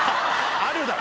あるだろ。